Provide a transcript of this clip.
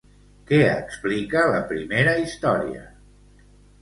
Què explica la primera història?